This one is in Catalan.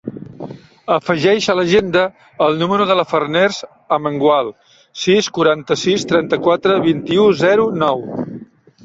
Afegeix a l'agenda el número de la Farners Amengual: sis, quaranta-sis, trenta-quatre, vint-i-u, zero, nou.